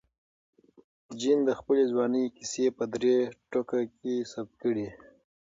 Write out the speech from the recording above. جین د خپلې ځوانۍ کیسې په درې ټوکه کې ثبت کړې.